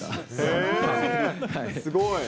すごい。